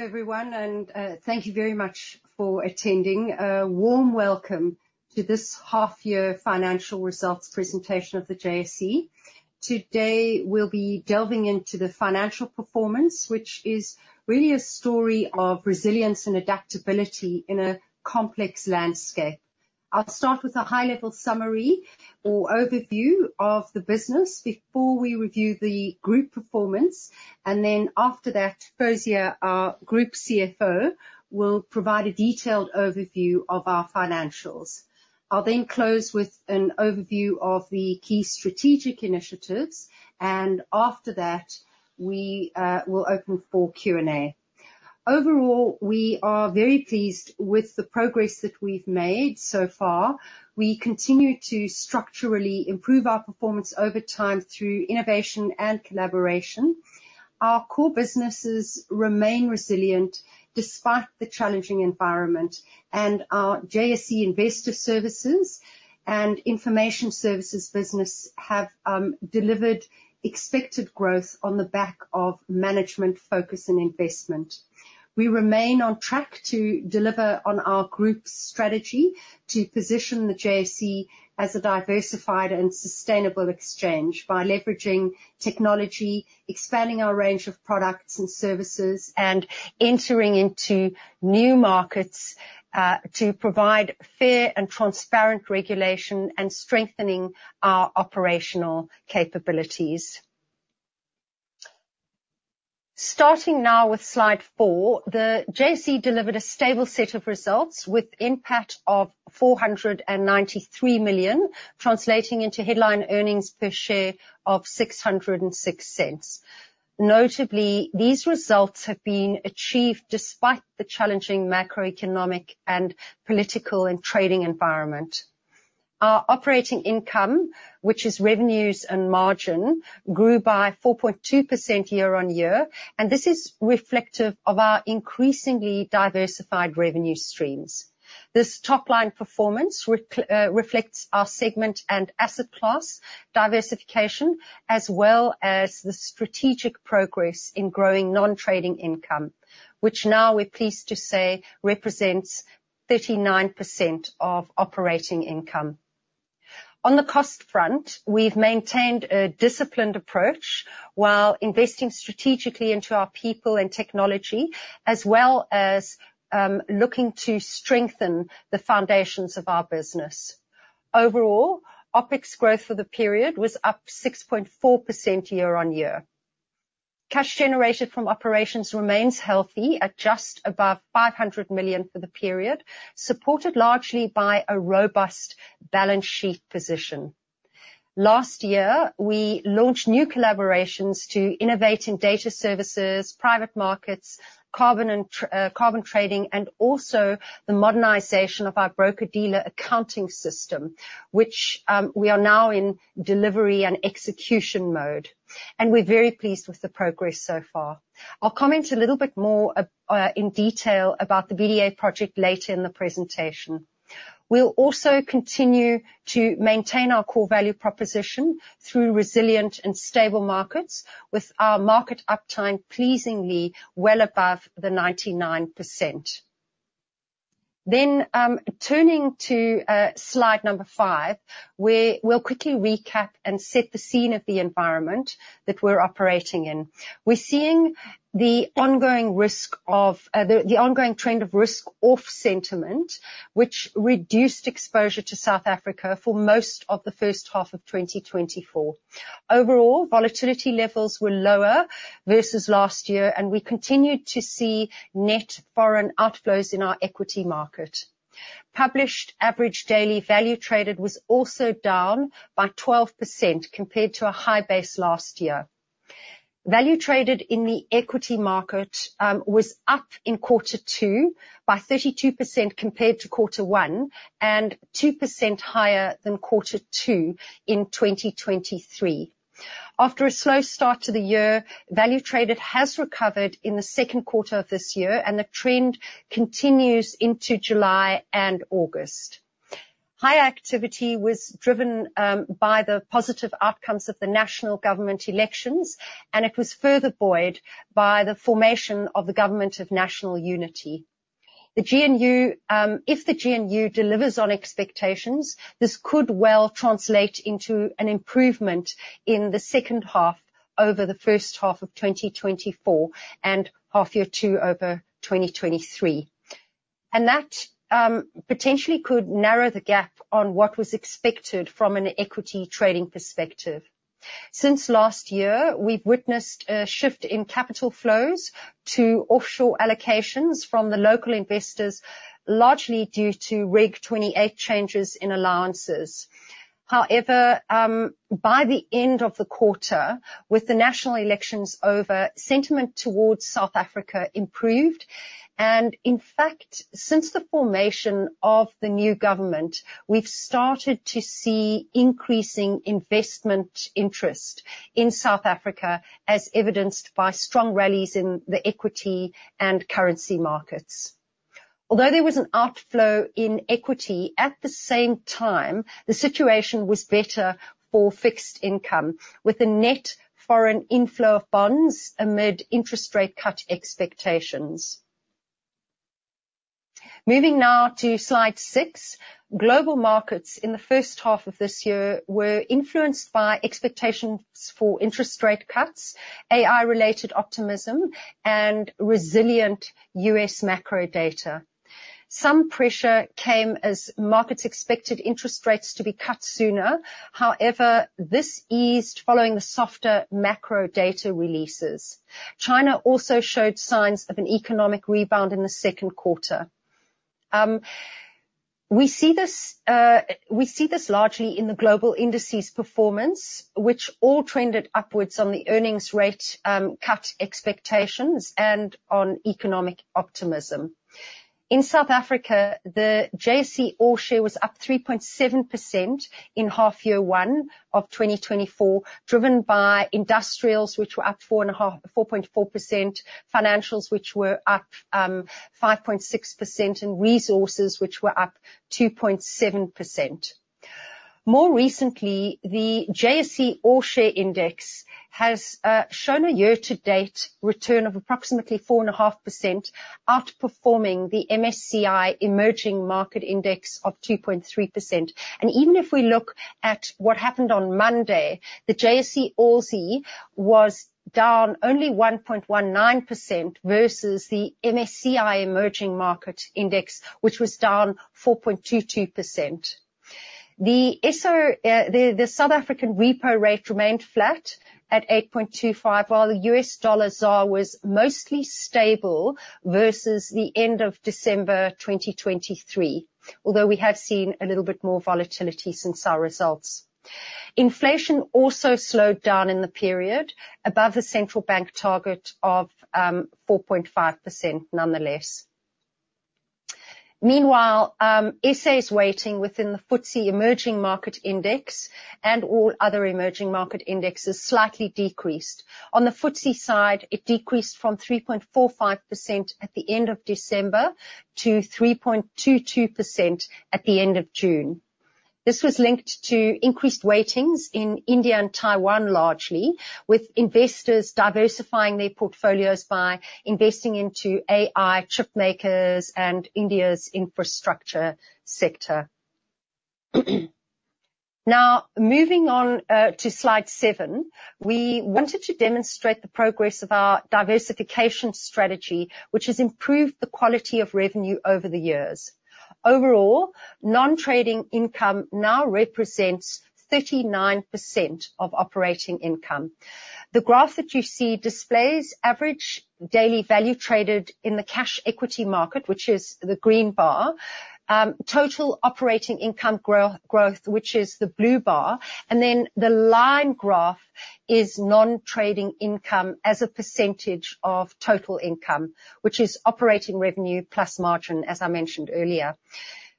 Hello everyone, and thank you very much for attending. A warm welcome to this half-year financial results presentation of the JSE. Today we'll be delving into the financial performance, which is really a story of resilience and adaptability in a complex landscape. I'll start with a high-level summary or overview of the business before we review the group performance, and then after that, Fawzia, our Group CFO, will provide a detailed overview of our financials. I'll then close with an overview of the key strategic initiatives, and after that, we will open for Q&A. Overall, we are very pleased with the progress that we've made so far. We continue to structurally improve our performance over time through innovation and collaboration. Our core businesses remain resilient despite the challenging environment, and our JSE Investor Services and Information Services business have delivered expected growth on the back of management focus and investment. We remain on track to deliver on our group's strategy to position the JSE as a diversified and sustainable exchange by leveraging technology, expanding our range of products and services, and entering into new markets to provide fair and transparent regulation and strengthening our operational capabilities. Starting now with slide 4, the JSE delivered a stable set of results with an impact of 493 million, translating into headline earnings per share of 6.06. Notably, these results have been achieved despite the challenging macroeconomic and political and trading environment. Our operating income, which is revenues and margin, grew by 4.2% year-on-year, and this is reflective of our increasingly diversified revenue streams. This top-line performance reflects our segment and asset class diversification, as well as the strategic progress in growing non-trading income, which now we're pleased to say represents 39% of operating income. On the cost front, we've maintained a disciplined approach while investing strategically into our people and technology, as well as looking to strengthen the foundations of our business. Overall, OPEX growth for the period was up 6.4% year-over-year. Cash generated from operations remains healthy at just above 500 million for the period, supported largely by a robust balance sheet position. Last year, we launched new collaborations to innovate in data services, private markets, carbon trading, and also the modernization of our broker-dealer accounting system, which we are now in delivery and execution mode. We're very pleased with the progress so far. I'll comment a little bit more in detail about the BDA project later in the presentation. We'll also continue to maintain our core value proposition through resilient and stable markets, with our market uptime pleasingly well above the 99%. Then, turning to slide number 5, we'll quickly recap and set the scene of the environment that we're operating in. We're seeing the ongoing risk of the ongoing trend of risk-off sentiment, which reduced exposure to South Africa for most of the first half of 2024. Overall, volatility levels were lower versus last year, and we continued to see net foreign outflows in our equity market. Published average daily value traded was also down by 12% compared to a high base last year. Value traded in the equity market was up in quarter two by 32% compared to quarter one and 2% higher than quarter two in 2023. After a slow start to the year, value traded has recovered in the second quarter of this year, and the trend continues into July and August. High activity was driven by the positive outcomes of the national government elections, and it was further buoyed by the formation of the Government of National Unity. The GNU, if the GNU delivers on expectations, this could well translate into an improvement in the second half over the first half of 2024 and half year two over 2023. That potentially could narrow the gap on what was expected from an equity trading perspective. Since last year, we've witnessed a shift in capital flows to offshore allocations from the local investors, largely due to Reg 28 changes in allowances. However, by the end of the quarter, with the national elections over, sentiment towards South Africa improved. In fact, since the formation of the new government, we've started to see increasing investment interest in South Africa, as evidenced by strong rallies in the equity and currency markets. Although there was an outflow in equity, at the same time, the situation was better for fixed income, with a net foreign inflow of bonds amid interest rate cut expectations. Moving now to slide 6, global markets in the first half of this year were influenced by expectations for interest rate cuts, AI-related optimism, and resilient U.S. macro data. Some pressure came as markets expected interest rates to be cut sooner. However, this eased following the softer macro data releases. China also showed signs of an economic rebound in the second quarter. We see this largely in the global indices performance, which all trended upwards on the earnings rate cut expectations and on economic optimism. In South Africa, the JSE All Share was up 3.7% in half year 1 of 2024, driven by industrials, which were up 4.4%, financials, which were up 5.6%, and resources, which were up 2.7%. More recently, the JSE All Share Index has shown a year-to-date return of approximately 4.5%, outperforming the MSCI Emerging Market Index of 2.3%. Even if we look at what happened on Monday, the JSE All Share was down only 1.19% versus the MSCI Emerging Market Index, which was down 4.22%. The South African repo rate remained flat at 8.25%, while the USD/ZAR was mostly stable versus the end of December 2023, although we have seen a little bit more volatility since our results. Inflation also slowed down in the period, above the central bank target of 4.5% nonetheless. Meanwhile, SA's weighting within the FTSE Emerging Market Index and all other emerging market indexes slightly decreased. On the FTSE side, it decreased from 3.45% at the end of December to 3.22% at the end of June. This was linked to increased weightings in India and Taiwan largely, with investors diversifying their portfolios by investing into AI chip makers and India's infrastructure sector. Now, moving on to slide 7, we wanted to demonstrate the progress of our diversification strategy, which has improved the quality of revenue over the years. Overall, non-trading income now represents 39% of operating income. The graph that you see displays average daily value traded in the cash equity market, which is the green bar, total operating income growth, which is the blue bar, and then the line graph is non-trading income as a percentage of total income, which is operating revenue plus margin, as I mentioned earlier.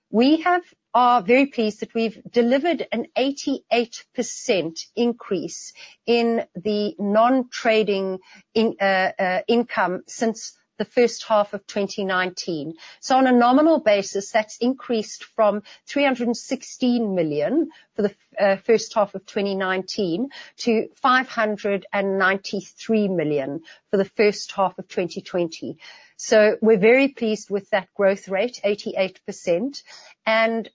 We are very pleased that we've delivered an 88% increase in the non-trading income since the first half of 2019. So on a nominal basis, that's increased from 316 million for the first half of 2019 to 593 million for the first half of 2020. So we're very pleased with that growth rate, 88%. And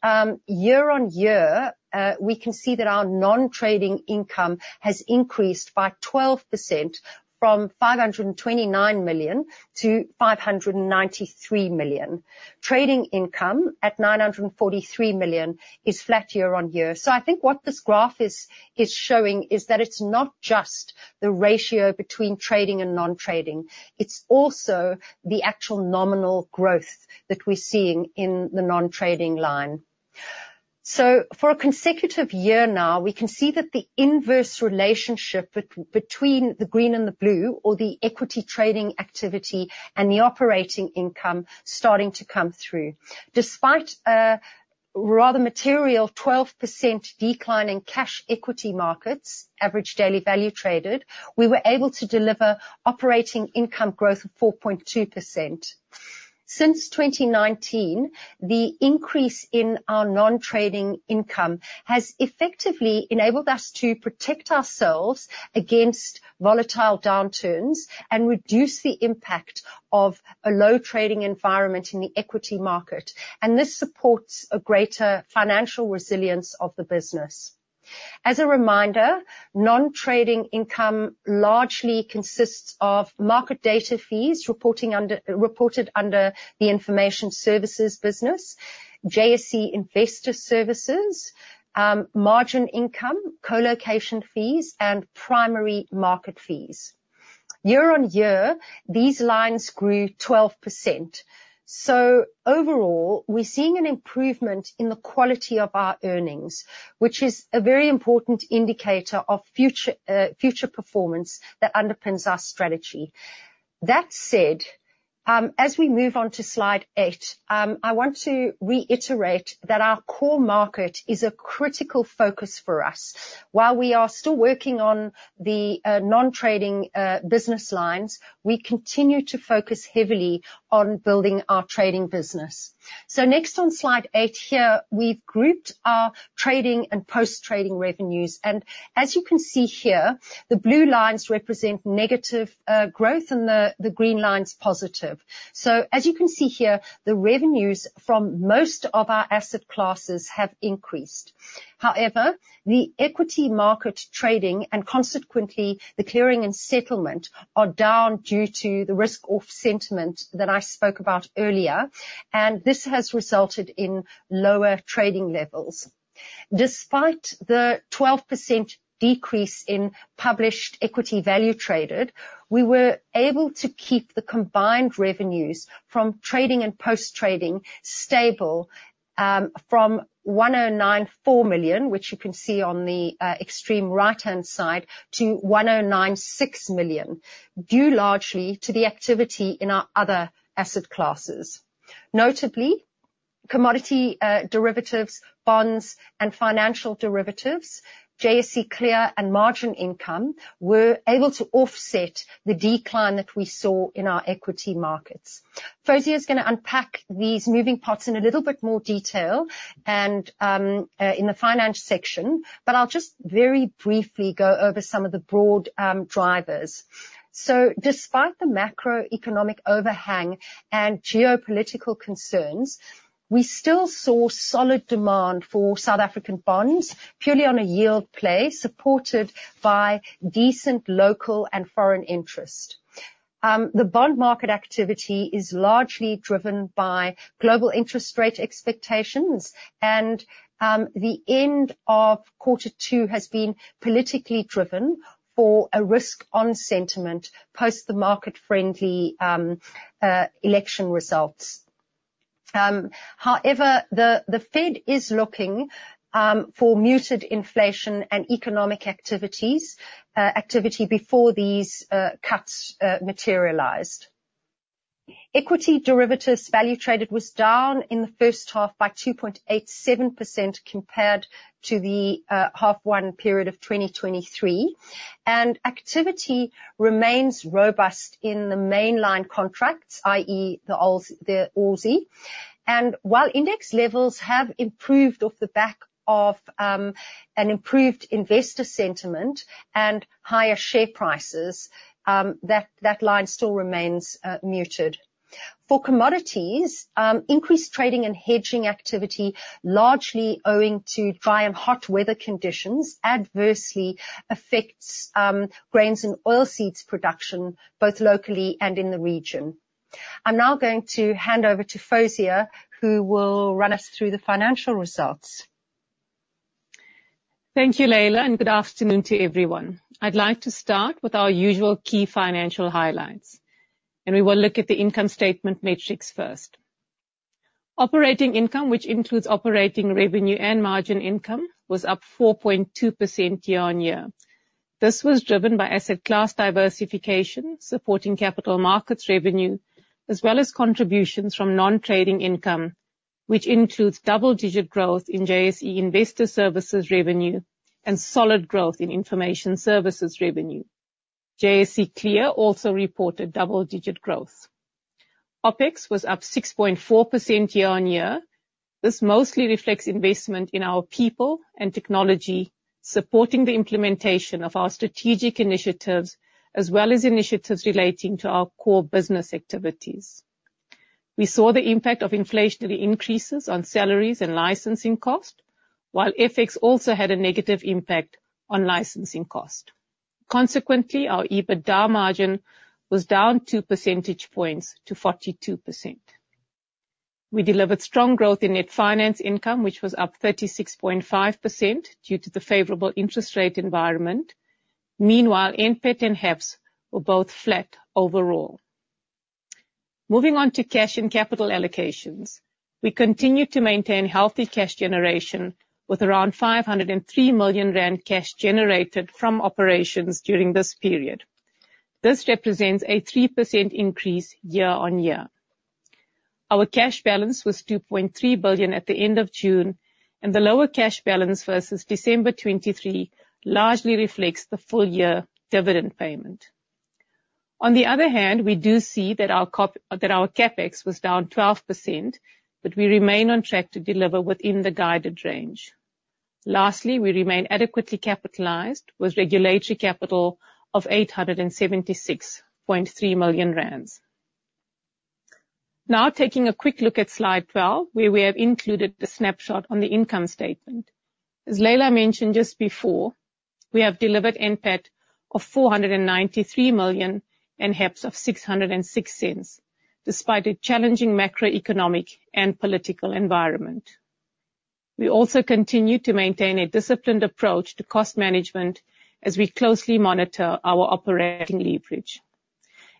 year on year, we can see that our non-trading income has increased by 12% from 529 million to 593 million. Trading income at 943 million is flat year on year. So I think what this graph is showing is that it's not just the ratio between trading and non-trading. It's also the actual nominal growth that we're seeing in the non-trading line. So for a consecutive year now, we can see that the inverse relationship between the green and the blue, or the equity trading activity and the operating income, is starting to come through. Despite a rather material 12% decline in cash equity markets average daily value traded, we were able to deliver operating income growth of 4.2%. Since 2019, the increase in our non-trading income has effectively enabled us to protect ourselves against volatile downturns and reduce the impact of a low trading environment in the equity market. This supports a greater financial resilience of the business. As a reminder, non-trading income largely consists of market data fees reported under the Information Services business, JSE Investor Services, margin income, colocation fees, and primary market fees. Year-on-year, these lines grew 12%. Overall, we're seeing an improvement in the quality of our earnings, which is a very important indicator of future performance that underpins our strategy. That said, as we move on to slide eight, I want to reiterate that our core market is a critical focus for us. While we are still working on the non-trading business lines, we continue to focus heavily on building our trading business. Next on slide 8 here, we've grouped our trading and post-trading revenues. As you can see here, the blue lines represent negative growth and the green lines positive. As you can see here, the revenues from most of our asset classes have increased. However, the equity market trading and consequently the clearing and settlement are down due to the risk-off sentiment that I spoke about earlier, and this has resulted in lower trading levels. Despite the 12% decrease in published equity value traded, we were able to keep the combined revenues from trading and post-trading stable from 109.4 million, which you can see on the extreme right-hand side, to 109.6 million, due largely to the activity in our other asset classes. Notably, commodity derivatives, bonds, and financial derivatives, JSE Clear and margin income were able to offset the decline that we saw in our equity markets. Fawzia is going to unpack these moving parts in a little bit more detail in the finance section, but I'll just very briefly go over some of the broad drivers. So despite the macroeconomic overhang and geopolitical concerns, we still saw solid demand for South African bonds purely on a yield play, supported by decent local and foreign interest. The bond market activity is largely driven by global interest rate expectations, and the end of quarter two has been politically driven for a risk-on sentiment post the market-friendly election results. However, the Fed is looking for muted inflation and economic activity before these cuts materialized. Equity derivatives value traded was down in the first half by 2.87% compared to the half one period of 2023. Activity remains robust in the mainline contracts, i.e., the ALSI. While index levels have improved off the back of an improved investor sentiment and higher share prices, that line still remains muted. For commodities, increased trading and hedging activity, largely owing to dry and hot weather conditions, adversely affects grains and oilseeds production, both locally and in the region. I'm now going to hand over to Fawzia, who will run us through the financial results. Thank you, Leila, and good afternoon to everyone. I'd like to start with our usual key financial highlights, and we will look at the income statement metrics first. Operating income, which includes operating revenue and margin income, was up 4.2% year-on-year. This was driven by asset class diversification, supporting capital markets revenue, as well as contributions from non-trading income, which includes double-digit growth in JSE Investor Services revenue and solid growth in Information Services revenue. JSE Clear also reported double-digit growth. OPEX was up 6.4% year on year. This mostly reflects investment in our people and technology, supporting the implementation of our strategic initiatives, as well as initiatives relating to our core business activities. We saw the impact of inflationary increases on salaries and licensing cost, while FX also had a negative impact on licensing cost. Consequently, our EBITDA margin was down 2 percentage points to 42%. We delivered strong growth in net finance income, which was up 36.5% due to the favorable interest rate environment. Meanwhile, NPAT and HEPS were both flat overall. Moving on to cash and capital allocations, we continue to maintain healthy cash generation with around 503 million rand cash generated from operations during this period. This represents a 3% increase year on year. Our cash balance was 2.3 billion at the end of June, and the lower cash balance versus December 2023 largely reflects the full year dividend payment. On the other hand, we do see that our CapEx was down 12%, but we remain on track to deliver within the guided range. Lastly, we remain adequately capitalized with regulatory capital of 876.3 million rand. Now taking a quick look at slide 12, where we have included a snapshot on the income statement. As Leila mentioned just before, we have delivered NPAT of 493 million and HEPS of 6.06, despite a challenging macroeconomic and political environment. We also continue to maintain a disciplined approach to cost management as we closely monitor our operating leverage.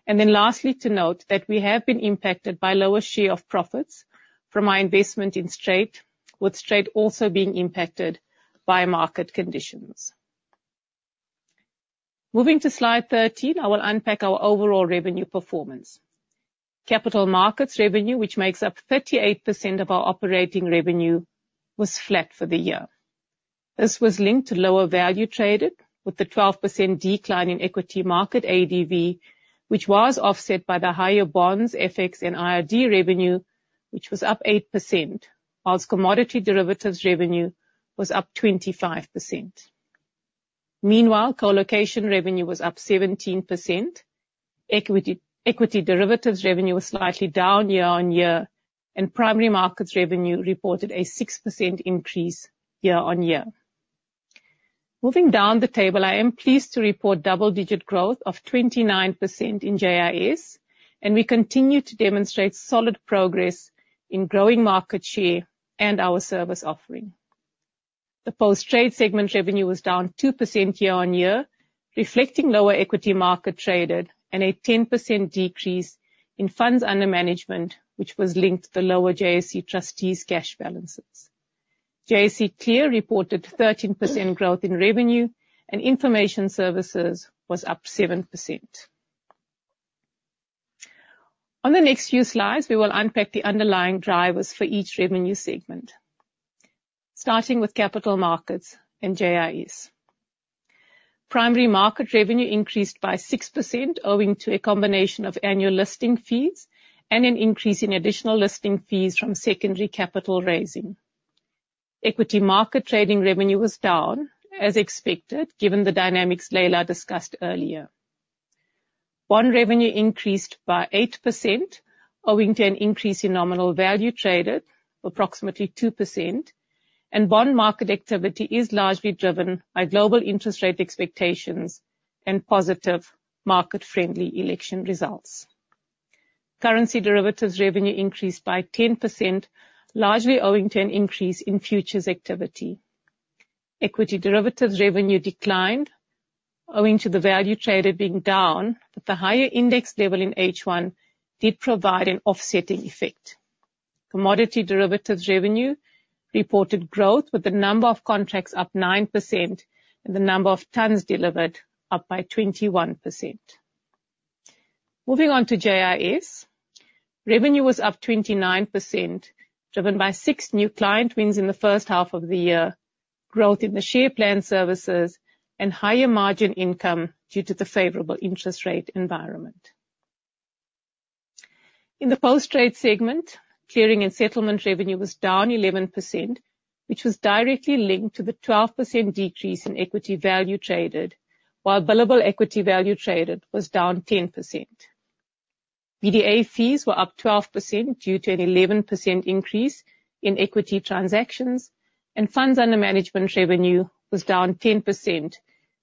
Then lastly, to note that we have been impacted by lower share of profits from our investment in Strate, with Strate also being impacted by market conditions. Moving to slide 13, I will unpack our overall revenue performance. Capital markets revenue, which makes up 38% of our operating revenue, was flat for the year. This was linked to lower value traded, with the 12% decline in equity market ADV, which was offset by the higher bonds, FX, and IRD revenue, which was up 8%, while commodity derivatives revenue was up 25%. Meanwhile, colocation revenue was up 17%. Equity derivatives revenue was slightly down year-over-year, and primary markets revenue reported a 6% increase year-over-year. Moving down the table, I am pleased to report double-digit growth of 29% in JIS, and we continue to demonstrate solid progress in growing market share and our service offering. The post-trade segment revenue was down 2% year-on-year, reflecting lower equity market traded and a 10% decrease in funds under management, which was linked to the lower JSE Trustees' cash balances. JSE Clear reported 13% growth in revenue, and Information Services was up 7%. On the next few slides, we will unpack the underlying drivers for each revenue segment, starting with capital markets and JIS. Primary market revenue increased by 6%, owing to a combination of annual listing fees and an increase in additional listing fees from secondary capital raising. Equity market trading revenue was down, as expected, given the dynamics Leila discussed earlier. Bond revenue increased by 8%, owing to an increase in nominal value traded, approximately 2%, and bond market activity is largely driven by global interest rate expectations and positive market-friendly election results. Currency derivatives revenue increased by 10%, largely owing to an increase in futures activity. Equity derivatives revenue declined, owing to the value traded being down, but the higher index level in H1 did provide an offsetting effect. Commodity derivatives revenue reported growth, with the number of contracts up 9% and the number of tons delivered up by 21%. Moving on to JIS, revenue was up 29%, driven by six new client wins in the first half of the year, growth in the share plan services, and higher margin income due to the favorable interest rate environment. In the post-trade segment, clearing and settlement revenue was down 11%, which was directly linked to the 12% decrease in equity value traded, while billable equity value traded was down 10%. BDA fees were up 12% due to an 11% increase in equity transactions, and funds under management revenue was down 10%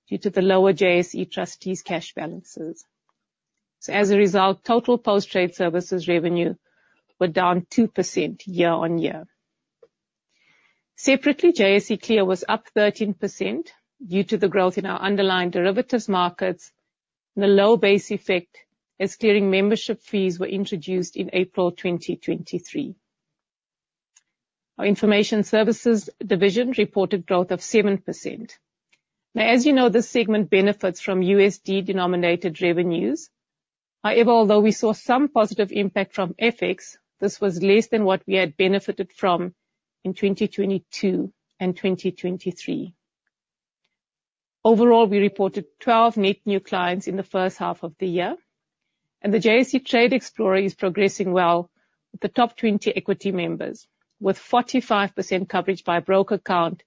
due to the lower JSE Trustees' cash balances. So as a result, total post-trade services revenue was down 2% year-on-year. Separately, JSE Clear was up 13% due to the growth in our underlying derivatives markets and the low base effect as clearing membership fees were introduced in April 2023. Our Information Services division reported growth of 7%. Now, as you know, this segment benefits from USD-denominated revenues. However, although we saw some positive impact from FX, this was less than what we had benefited from in 2022 and 2023. Overall, we reported 12 net new clients in the first half of the year, and the JSE Trade Explorer is progressing well with the top 20 equity members, with 45% coverage by broker count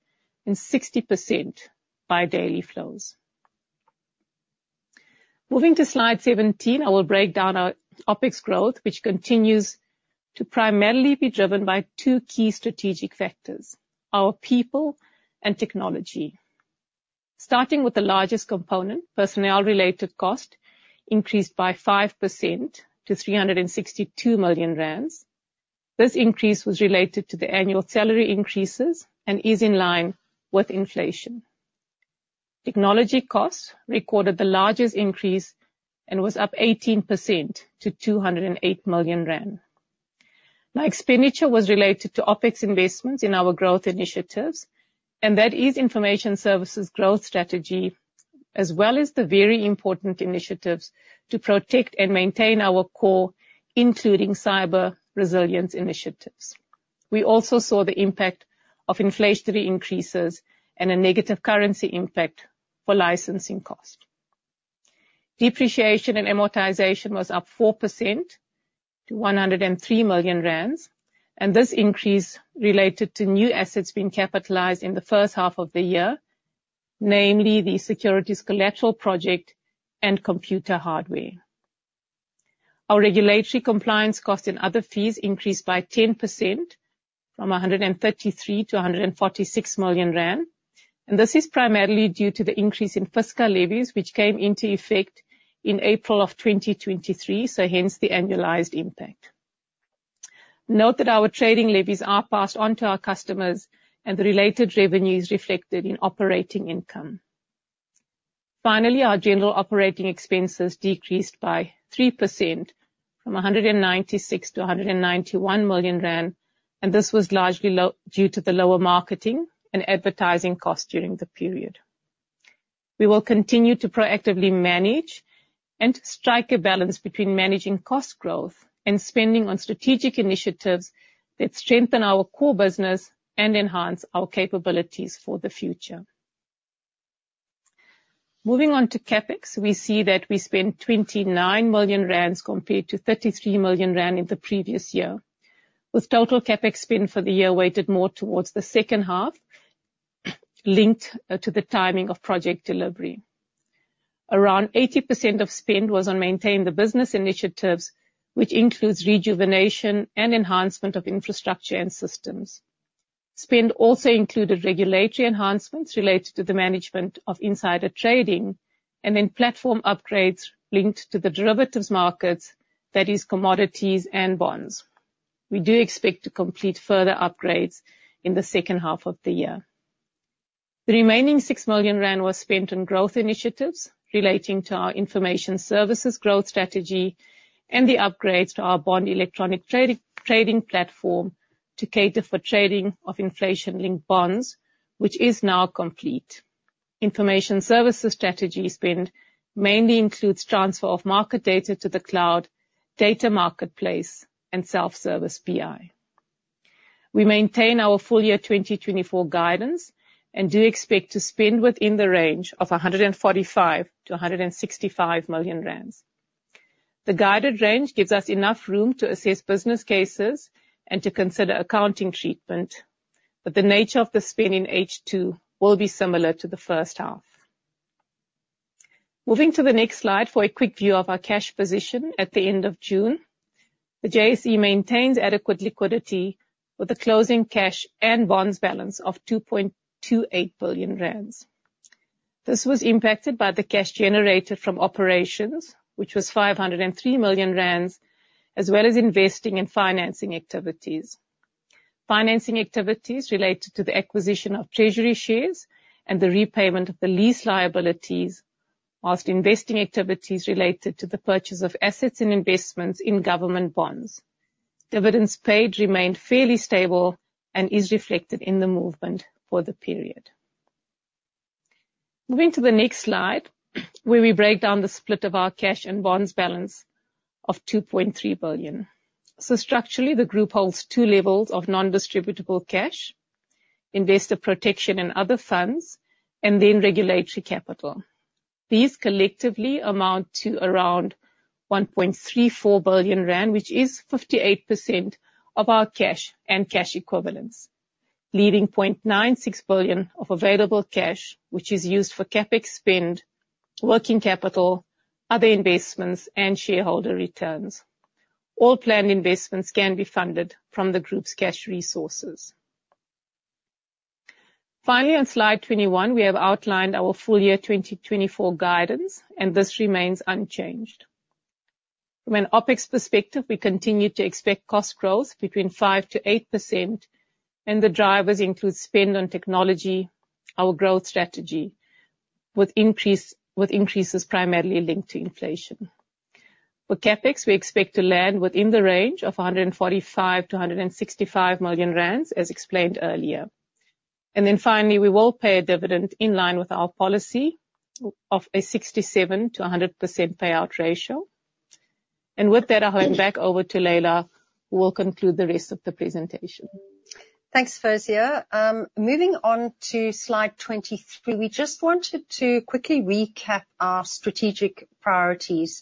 and 60% by daily flows. Moving to slide 17, I will break down our OPEX growth, which continues to primarily be driven by two key strategic factors: our people and technology. Starting with the largest component, personnel-related cost, increased by 5% to 362 million rand. This increase was related to the annual salary increases and is in line with inflation. Technology costs recorded the largest increase and was up 18% to 208 million rand. Now, expenditure was related to OPEX investments in our growth initiatives, and that is Information Services growth strategy, as well as the very important initiatives to protect and maintain our core, including cyber resilience initiatives. We also saw the impact of inflationary increases and a negative currency impact for licensing cost. Depreciation and amortization was up 4% to 103 million rand, and this increase related to new assets being capitalized in the first half of the year, namely the securities collateral project and computer hardware. Our regulatory compliance costs and other fees increased by 10% from 133 million to 146 million rand, and this is primarily due to the increase in fiscal levies, which came into effect in April of 2023, so hence the annualized impact. Note that our trading levies are passed on to our customers, and the related revenues reflected in operating income. Finally, our general operating expenses decreased by 3% from 196 million to 191 million rand, and this was largely due to the lower marketing and advertising costs during the period. We will continue to proactively manage and strike a balance between managing cost growth and spending on strategic initiatives that strengthen our core business and enhance our capabilities for the future. Moving on to CapEx, we see that we spend 29 million rand compared to 33 million rand in the previous year, with total CapEx spend for the year weighted more towards the second half, linked to the timing of project delivery. Around 80% of spend was on maintaining the business initiatives, which includes rejuvenation and enhancement of infrastructure and systems. Spend also included regulatory enhancements related to the management of insider trading and then platform upgrades linked to the derivatives markets, that is, commodities and bonds. We do expect to complete further upgrades in the second half of the year. The remaining 6 million rand was spent on growth initiatives relating to our Information Services growth strategy and the upgrades to our bond electronic trading platform to cater for trading of inflation-linked bonds, which is now complete. Information services strategy spend mainly includes transfer of market data to the cloud, data marketplace, and self-service BI. We maintain our full year 2024 guidance and do expect to spend within the range of 145 million-165 million rand. The guided range gives us enough room to assess business cases and to consider accounting treatment, but the nature of the spend in H2 will be similar to the first half. Moving to the next slide for a quick view of our cash position at the end of June, the JSE maintains adequate liquidity with a closing cash and bonds balance of 2.28 billion rand. This was impacted by the cash generated from operations, which was 503 million rand, as well as investing and financing activities. Financing activities related to the acquisition of treasury shares and the repayment of the lease liabilities, while investing activities related to the purchase of assets and investments in government bonds. Dividends paid remained fairly stable and is reflected in the movement for the period. Moving to the next slide, where we break down the split of our cash and bonds balance of 2.3 billion. So structurally, the group holds two levels of non-distributable cash, investor protection and other funds, and then regulatory capital. These collectively amount to around 1.34 billion rand, which is 58% of our cash and cash equivalents, leaving 0.96 billion of available cash, which is used for CapEx spend, working capital, other investments, and shareholder returns. All planned investments can be funded from the group's cash resources. Finally, on slide 21, we have outlined our full year 2024 guidance, and this remains unchanged. From an OPEX perspective, we continue to expect cost growth between 5%-8%, and the drivers include spend on technology, our growth strategy, with increases primarily linked to inflation. For CapEx, we expect to land within the range of 145 million-165 million rand, as explained earlier. And then finally, we will pay a dividend in line with our policy of a 67%-100% payout ratio. And with that, I'll hand back over to Leila, who will conclude the rest of the presentation. Thanks, Fawzia. Moving on to slide 23, we just wanted to quickly recap our strategic priorities.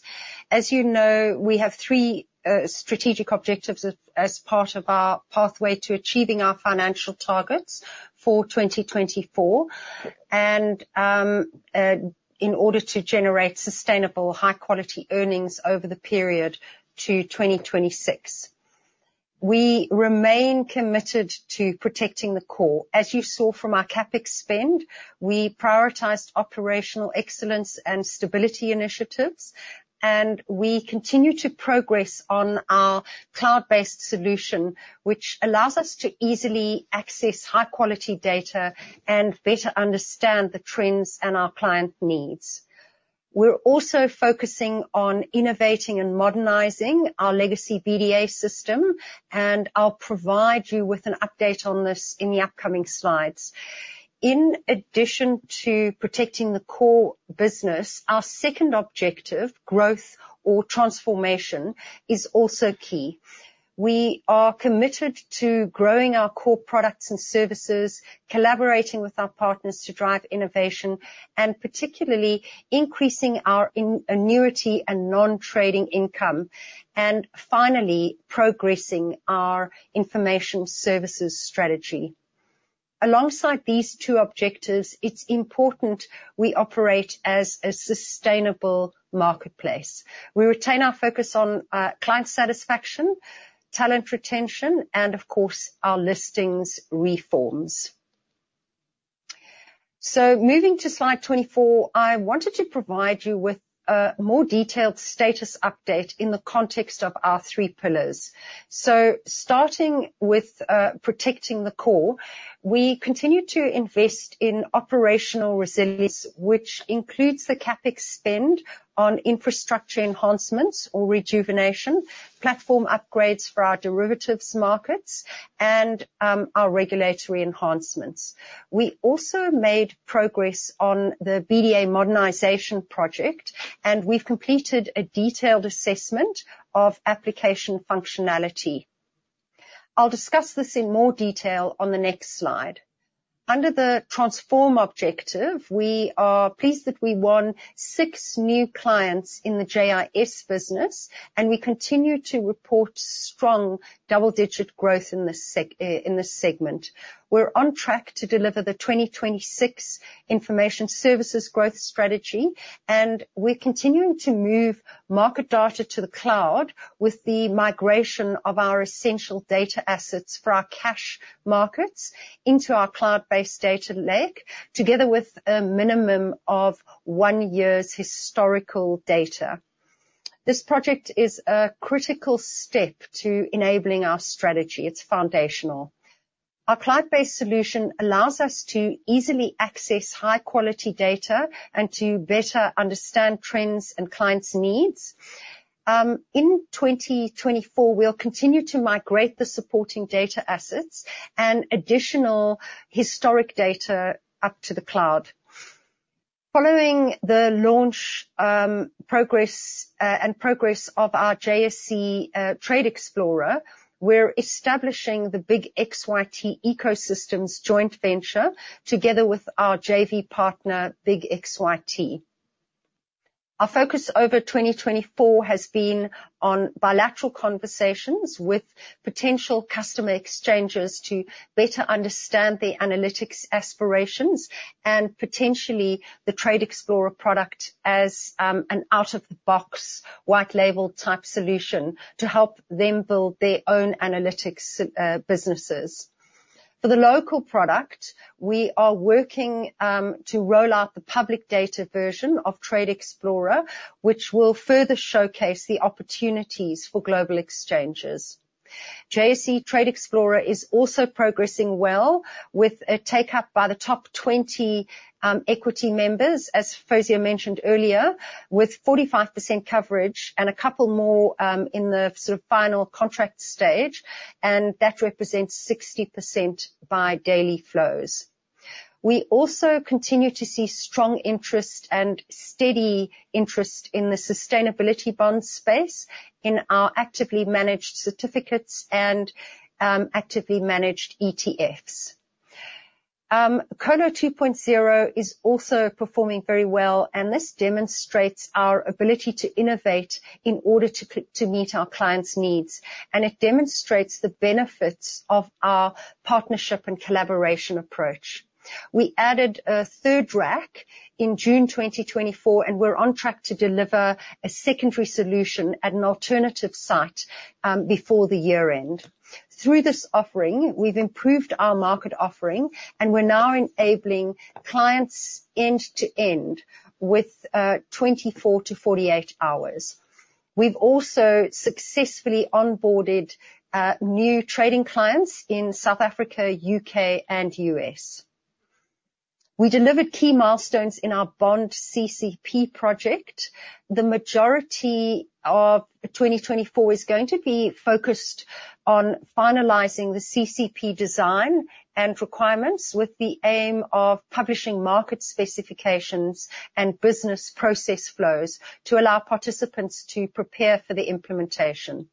As you know, we have three strategic objectives as part of our pathway to achieving our financial targets for 2024, and in order to generate sustainable, high-quality earnings over the period to 2026. We remain committed to protecting the core. As you saw from our CapEx spend, we prioritized operational excellence and stability initiatives, and we continue to progress on our cloud-based solution, which allows us to easily access high-quality data and better understand the trends and our client needs. We're also focusing on innovating and modernizing our legacy BDA system, and I'll provide you with an update on this in the upcoming slides. In addition to protecting the core business, our second objective, growth or transformation, is also key. We are committed to growing our core products and services, collaborating with our partners to drive innovation, and particularly increasing our annuity and non-trading income, and finally, progressing our Information Services strategy. Alongside these two objectives, it's important we operate as a sustainable marketplace. We retain our focus on client satisfaction, talent retention, and of course, our listings reforms. So moving to slide 24, I wanted to provide you with a more detailed status update in the context of our three pillars. So starting with protecting the core, we continue to invest in operational resilience, which includes the CapEx spend on infrastructure enhancements or rejuvenation, platform upgrades for our derivatives markets, and our regulatory enhancements. We also made progress on the BDA modernization project, and we've completed a detailed assessment of application functionality. I'll discuss this in more detail on the next slide. Under the transform objective, we are pleased that we won 6 new clients in the JIS business, and we continue to report strong double-digit growth in this segment. We're on track to deliver the 2026 Information Services growth strategy, and we're continuing to move market data to the cloud with the migration of our essential data assets for our cash markets into our cloud-based data lake, together with a minimum of 1 year's historical data. This project is a critical step to enabling our strategy. It's foundational. Our cloud-based solution allows us to easily access high-quality data and to better understand trends and clients' needs. In 2024, we'll continue to migrate the supporting data assets and additional historic data up to the cloud. Following the launch progress and progress of our JSE Trade Explorer, we're establishing the big xyt Ecosystems joint venture together with our JV partner, big xyt. Our focus over 2024 has been on bilateral conversations with potential customer exchanges to better understand the analytics aspirations and potentially the Trade Explorer product as an out-of-the-box, white-label type solution to help them build their own analytics businesses. For the local product, we are working to roll out the public data version of Trade Explorer, which will further showcase the opportunities for global exchanges. JSE Trade Explorer is also progressing well with a take-up by the top 20 equity members, as Fawzia mentioned earlier, with 45% coverage and a couple more in the sort of final contract stage, and that represents 60% by daily flows. We also continue to see strong interest and steady interest in the sustainability bond space in our actively managed certificates and actively managed ETFs. Colo 2.0 is also performing very well, and this demonstrates our ability to innovate in order to meet our clients' needs, and it demonstrates the benefits of our partnership and collaboration approach. We added a third rack in June 2024, and we're on track to deliver a secondary solution at an alternative site before the year end. Through this offering, we've improved our market offering, and we're now enabling clients end-to-end with 24-48 hours. We've also successfully onboarded new trading clients in South Africa, U.K., and U.S. We delivered key milestones in our bond CCP project. The majority of 2024 is going to be focused on finalizing the CCP design and requirements with the aim of publishing market specifications and business process flows to allow participants to prepare for the implementation.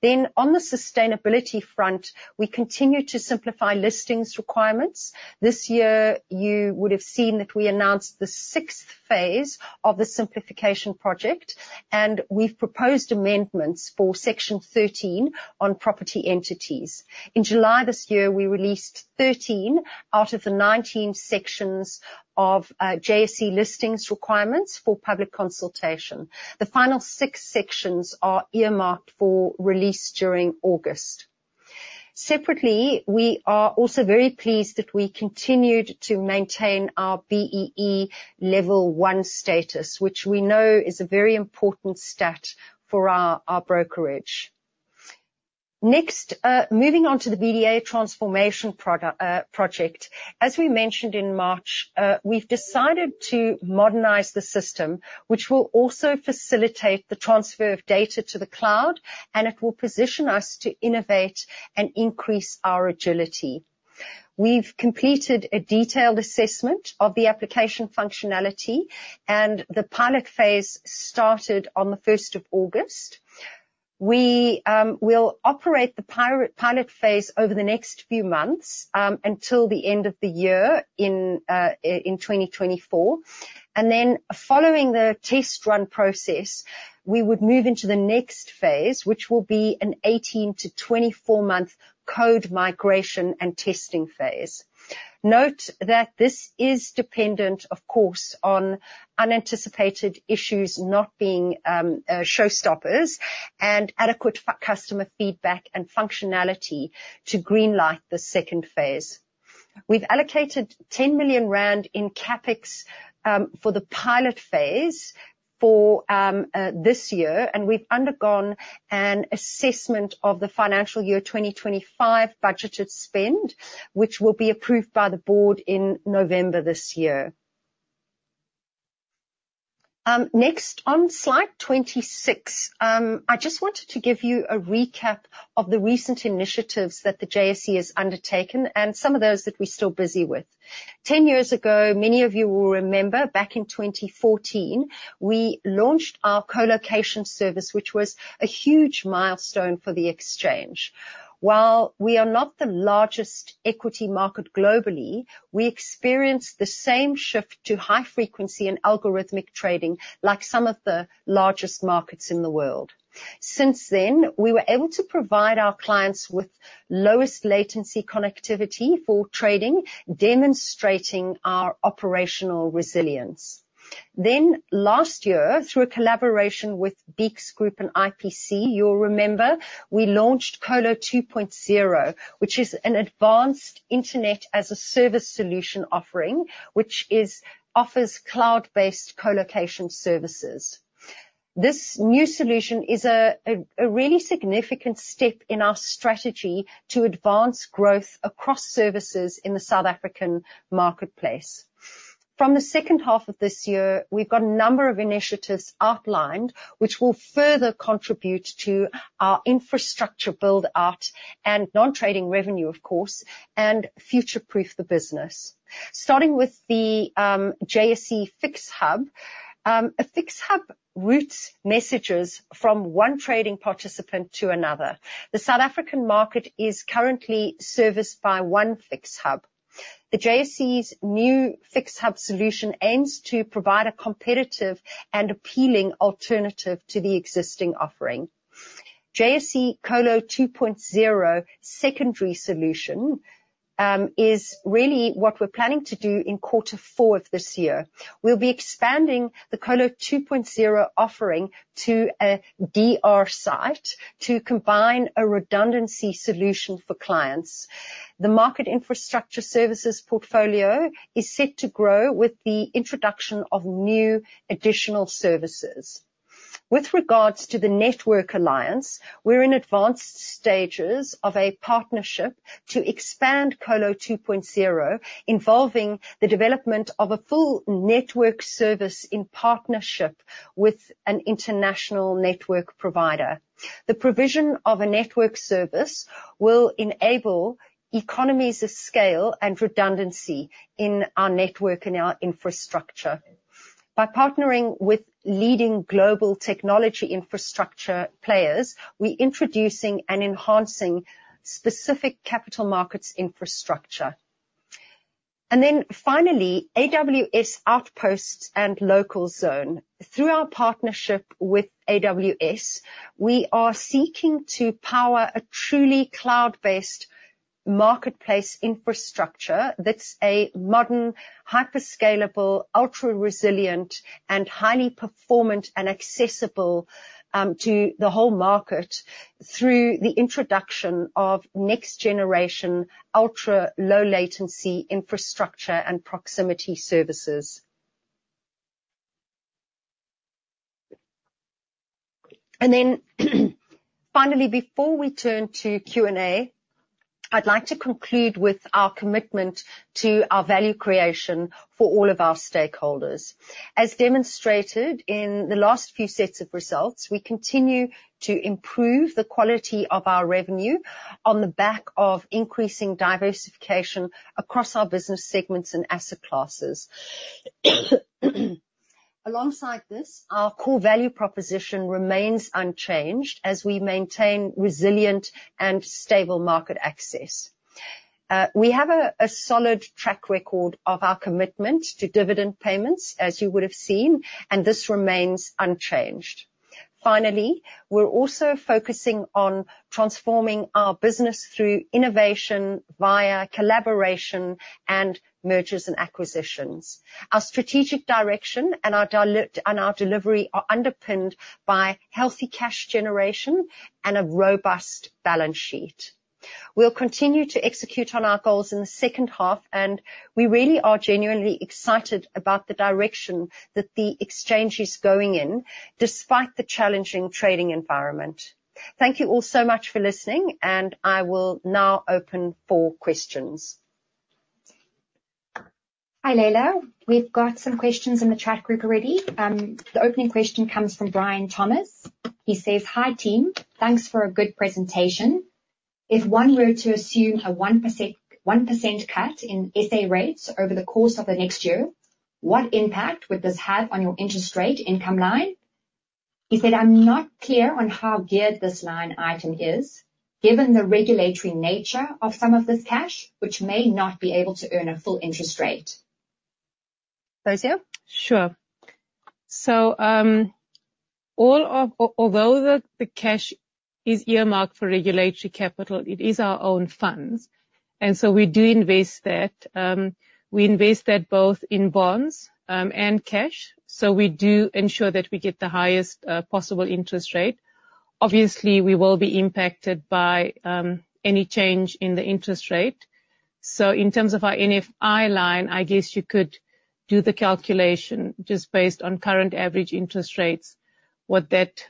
Then, on the sustainability front, we continue to simplify listings requirements. This year, you would have seen that we announced the 6th phase of the simplification project, and we've proposed amendments for Section 13 on property entities. In July this year, we released 13 out of the 19 sections of JSE Listings Requirements for public consultation. The final 6 sections are earmarked for release during August. Separately, we are also very pleased that we continued to maintain our BEE level 1 status, which we know is a very important stat for our brokerage. Next, moving on to the BDA transformation project, as we mentioned in March, we've decided to modernize the system, which will also facilitate the transfer of data to the cloud, and it will position us to innovate and increase our agility. We've completed a detailed assessment of the application functionality, and the pilot phase started on the 1st of August. We will operate the pilot phase over the next few months until the end of the year in 2024. Then, following the test run process, we would move into the next phase, which will be an 18- to 24-month code migration and testing phase. Note that this is dependent, of course, on unanticipated issues not being showstoppers and adequate customer feedback and functionality to greenlight the second phase. We've allocated 10 million rand in CapEx for the pilot phase for this year, and we've undergone an assessment of the financial year 2025 budgeted spend, which will be approved by the board in November this year. Next, on slide 26, I just wanted to give you a recap of the recent initiatives that the JSE has undertaken and some of those that we're still busy with. Ten years ago, many of you will remember, back in 2014, we launched our colocation service, which was a huge milestone for the exchange. While we are not the largest equity market globally, we experienced the same shift to high-frequency and algorithmic trading like some of the largest markets in the world. Since then, we were able to provide our clients with lowest latency connectivity for trading, demonstrating our operational resilience. Then, last year, through a collaboration with Beeks Group and IPC, you'll remember we launched Colo 2.0, which is an advanced internet-as-a-service solution offering, which offers cloud-based colocation services. This new solution is a really significant step in our strategy to advance growth across services in the South African marketplace. From the second half of this year, we've got a number of initiatives outlined, which will further contribute to our infrastructure build-out and non-trading revenue, of course, and future-proof the business. Starting with the JSE FIX Hub, a FIX Hub routes messages from one trading participant to another. The South African market is currently serviced by one FIX Hub. The JSE's new FIX Hub solution aims to provide a competitive and appealing alternative to the existing offering. JSE Colo 2.0 secondary solution is really what we're planning to do in quarter four of this year. We'll be expanding the Colo 2.0 offering to a DR site to combine a redundancy solution for clients. The market infrastructure services portfolio is set to grow with the introduction of new additional services. With regards to the network alliance, we're in advanced stages of a partnership to expand Colo 2.0, involving the development of a full network service in partnership with an international network provider. The provision of a network service will enable economies of scale and redundancy in our network and our infrastructure. By partnering with leading global technology infrastructure players, we're introducing and enhancing specific capital markets infrastructure. And then finally, AWS Outposts and Local Zone. Through our partnership with AWS, we are seeking to power a truly cloud-based marketplace infrastructure that's a modern, hyperscalable, ultra-resilient, and highly performant and accessible to the whole market through the introduction of next-generation ultra-low-latency infrastructure and proximity services. And then finally, before we turn to Q&A, I'd like to conclude with our commitment to our value creation for all of our stakeholders. As demonstrated in the last few sets of results, we continue to improve the quality of our revenue on the back of increasing diversification across our business segments and asset classes. Alongside this, our core value proposition remains unchanged as we maintain resilient and stable market access. We have a solid track record of our commitment to dividend payments, as you would have seen, and this remains unchanged. Finally, we're also focusing on transforming our business through innovation via collaboration and mergers and acquisitions. Our strategic direction and our delivery are underpinned by healthy cash generation and a robust balance sheet. We'll continue to execute on our goals in the second half, and we really are genuinely excited about the direction that the exchange is going in, despite the challenging trading environment. Thank you all so much for listening, and I will now open for questions. Hi Leila. We've got some questions in the chat group already. The opening question comes from Brian Thomas. He says, "Hi team, thanks for a good presentation. If one were to assume a 1% cut in SA rates over the course of the next year, what impact would this have on your interest rate income line?" He said, "I'm not clear on how geared this line item is, given the regulatory nature of some of this cash, which may not be able to earn a full interest rate." Fawzia? Sure. So although the cash is earmarked for regulatory capital, it is our own funds. And so we do invest that. We invest that both in bonds and cash. So we do ensure that we get the highest possible interest rate. Obviously, we will be impacted by any change in the interest rate. So in terms of our NFI line, I guess you could do the calculation just based on current average interest rates, what that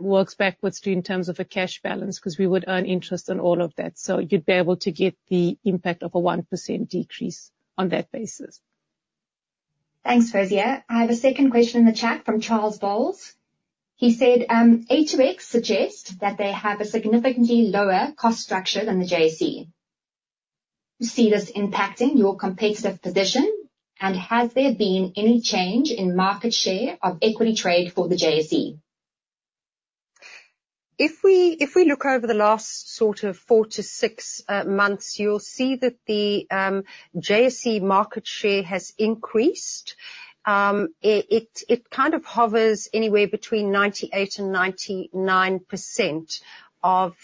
works backwards to in terms of a cash balance, because we would earn interest on all of that. So you'd be able to get the impact of a 1% decrease on that basis. Thanks, Fawzia. I have a second question in the chat from Charles Boles. He said, "A2X suggests that they have a significantly lower cost structure than the JSE. Do you see this impacting your competitive position, and has there been any change in market share of equity trade for the JSE?" If we look over the last sort of 4 to 6 months, you'll see that the JSE market share has increased. It kind of hovers anywhere between 98% and 99% of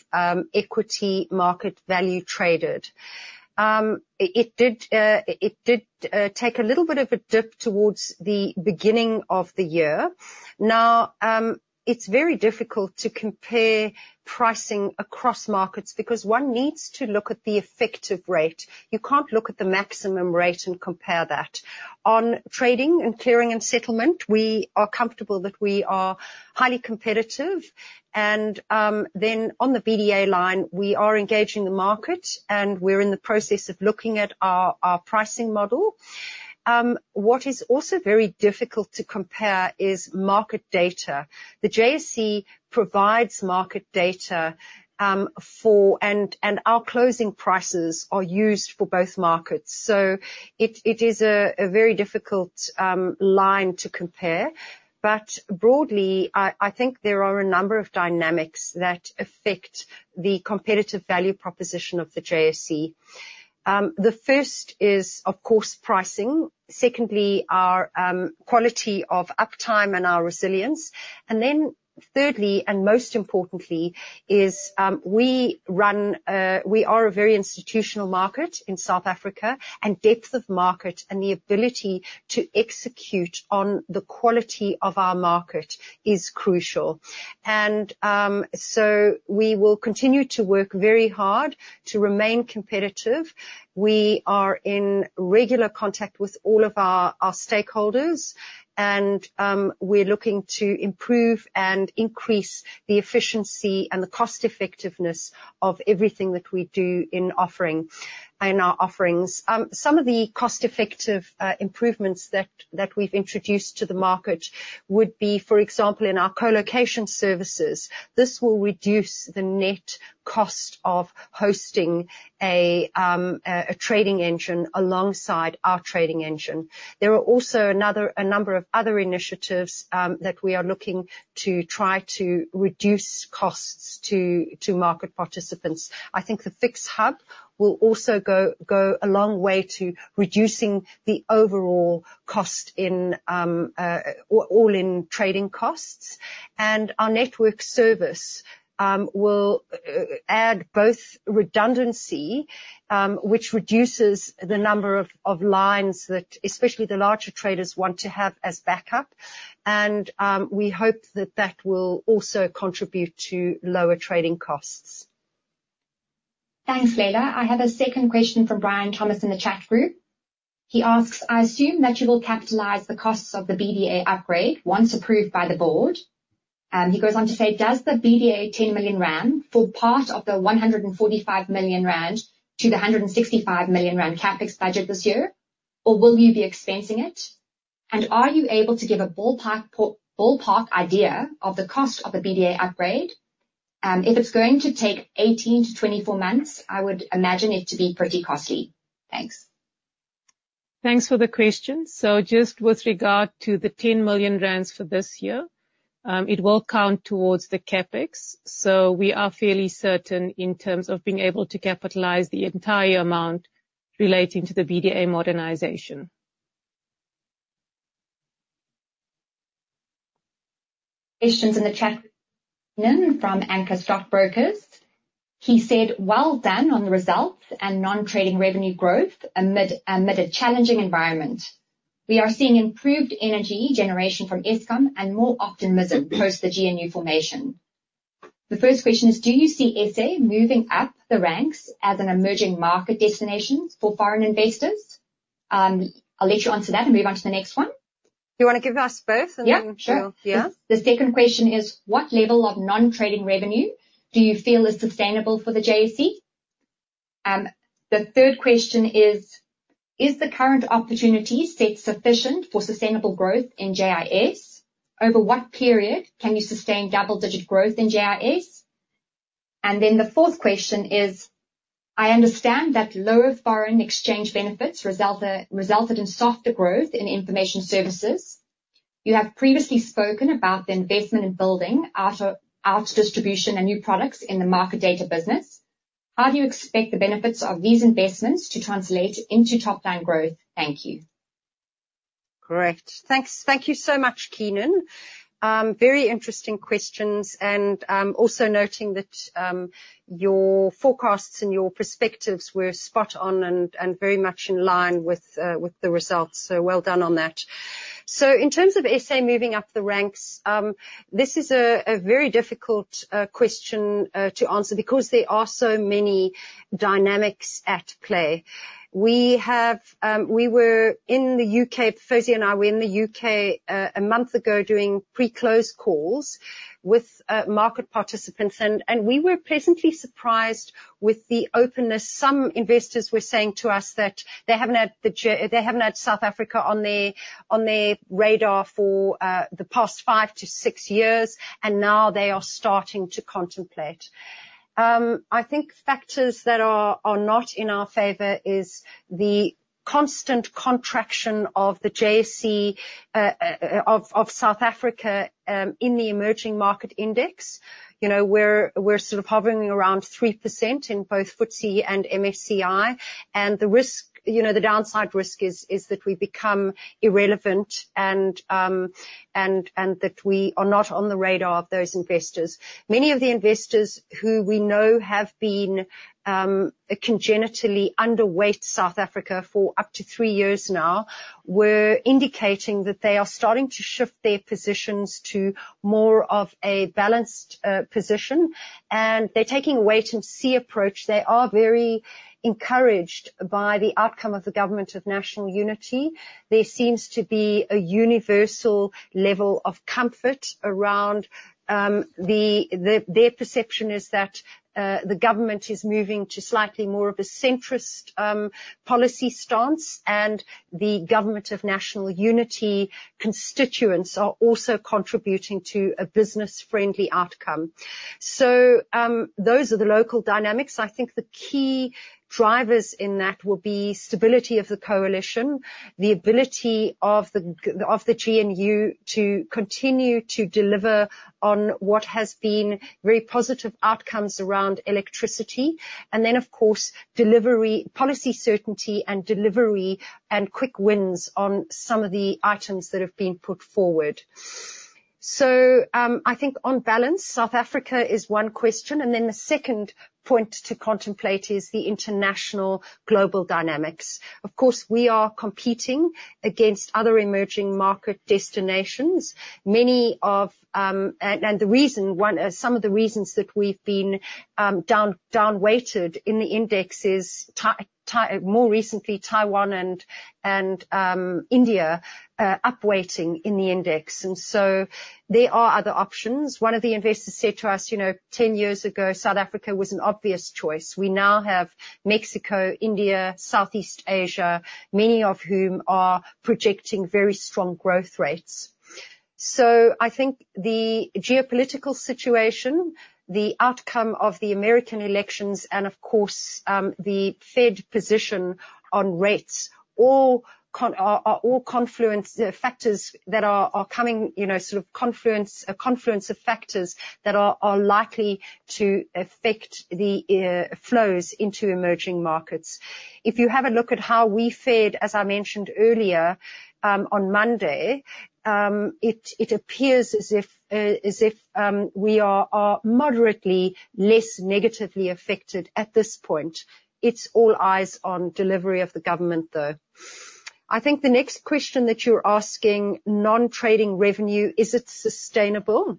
equity market value traded. It did take a little bit of a dip towards the beginning of the year. Now, it's very difficult to compare pricing across markets because one needs to look at the effective rate. You can't look at the maximum rate and compare that. On trading and clearing and settlement, we are comfortable that we are highly competitive. And then on the BDA line, we are engaging the market, and we're in the process of looking at our pricing model. What is also very difficult to compare is market data. The JSE provides market data, and our closing prices are used for both markets. So it is a very difficult line to compare. But broadly, I think there are a number of dynamics that affect the competitive value proposition of the JSE. The first is, of course, pricing. Secondly, our quality of uptime and our resilience. And then thirdly, and most importantly, is we are a very institutional market in South Africa, and depth of market and the ability to execute on the quality of our market is crucial. And so we will continue to work very hard to remain competitive. We are in regular contact with all of our stakeholders, and we're looking to improve and increase the efficiency and the cost-effectiveness of everything that we do in offering and our offerings. Some of the cost-effective improvements that we've introduced to the market would be, for example, in our colocation services. This will reduce the net cost of hosting a trading engine alongside our trading engine. There are also a number of other initiatives that we are looking to try to reduce costs to market participants. I think the FIX Hub will also go a long way to reducing the overall cost in all in trading costs. Our network service will add both redundancy, which reduces the number of lines that especially the larger traders want to have as backup. We hope that that will also contribute to lower trading costs. Thanks, Leila. I have a second question from Brian Thomas in the chat group. He asks, "I assume that you will capitalize the costs of the BDA upgrade once approved by the board." He goes on to say, "Does the BDA 10 million rand form part of the 145 million-165 million rand CapEx budget this year, or will you be expensing it? And are you able to give a ballpark idea of the cost of the BDA upgrade? If it's going to take 18-24 months, I would imagine it to be pretty costly. Thanks." Thanks for the question. So just with regard to the 10 million rand for this year, it will count towards the CapEx. So we are fairly certain in terms of being able to capitalize the entire amount relating to the BDA modernization. Questions in the chat room from Anchor Stockbrokers. He said, "Well done on the results and non-trading revenue growth amid a challenging environment. We are seeing improved energy generation from Eskom and more optimism post the GNU formation." The first question is, "Do you see SA moving up the ranks as an emerging market destination for foreign investors?" I'll let you answer that and move on to the next one. Do you want to give us both? Yeah. Sure. Yeah. The second question is, "What level of non-trading revenue do you feel is sustainable for the JSE?" The third question is, "Is the current opportunity set sufficient for sustainable growth in JIS? Over what period can you sustain double-digit growth in JIS?" And then the fourth question is, "I understand that lower foreign exchange benefits resulted in softer growth in Information Services. You have previously spoken about the investment in building outer distribution and new products in the market data business. How do you expect the benefits of these investments to translate into top-down growth? Thank you." Correct. Thank you so much, Keenan. Very interesting questions. And also noting that your forecasts and your perspectives were spot on and very much in line with the results. So well done on that. In terms of SA moving up the ranks, this is a very difficult question to answer because there are so many dynamics at play. We, Fawzia and I, were in the UK a month ago doing pre-close calls with market participants. We were pleasantly surprised with the openness. Some investors were saying to us that they haven't had South Africa on their radar for the past 5-6 years, and now they are starting to contemplate. I think factors that are not in our favor is the constant contraction of the JSE of South Africa in the emerging market index. We're sort of hovering around 3% in both FTSE and MSCI. The downside risk is that we become irrelevant and that we are not on the radar of those investors. Many of the investors who we know have been congenitally underweight South Africa for up to three years now were indicating that they are starting to shift their positions to more of a balanced position. They're taking a wait-and-see approach. They are very encouraged by the outcome of the Government of National Unity. There seems to be a universal level of comfort around, their perception is that the government is moving to slightly more of a centrist policy stance, and the Government of National Unity constituents are also contributing to a business-friendly outcome. Those are the local dynamics. I think the key drivers in that will be stability of the coalition, the ability of the GNU to continue to deliver on what has been very positive outcomes around electricity, and then, of course, policy certainty and delivery and quick wins on some of the items that have been put forward. So I think on balance, South Africa is one question. And then the second point to contemplate is the international global dynamics. Of course, we are competing against other emerging market destinations. And the reason, some of the reasons, that we've been downweighted in the index is more recently Taiwan and India upweighting in the index. And so there are other options. One of the investors said to us, "10 years ago, South Africa was an obvious choice. We now have Mexico, India, Southeast Asia, many of whom are projecting very strong growth rates." I think the geopolitical situation, the outcome of the American elections, and of course, the Fed position on rates are all factors that are coming, sort of a confluence of factors that are likely to affect the flows into emerging markets. If you have a look at how we fared, as I mentioned earlier on Monday, it appears as if we are moderately less negatively affected at this point. It's all eyes on delivery of the government, though. I think the next question that you're asking, non-trading revenue, is it sustainable?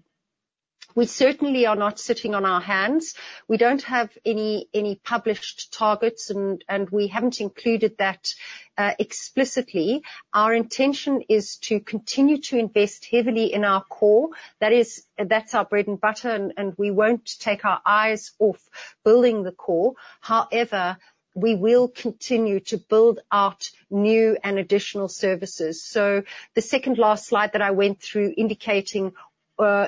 We certainly are not sitting on our hands. We don't have any published targets, and we haven't included that explicitly. Our intention is to continue to invest heavily in our core. That's our bread and butter, and we won't take our eyes off building the core. However, we will continue to build out new and additional services. So the second last slide that I went through indicating